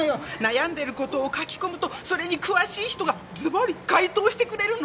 悩んでる事を書き込むとそれに詳しい人がズバリ回答してくれるの。